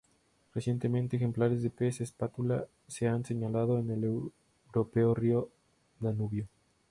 Recientemente, ejemplares de pez espátula se han señalado en el europeo río Danubio.